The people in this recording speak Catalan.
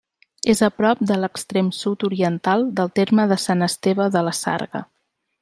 És a prop de l'extrem sud-oriental del terme de Sant Esteve de la Sarga.